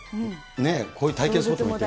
こういう体験スポットも。